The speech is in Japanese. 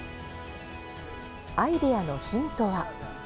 アイデアのヒントは。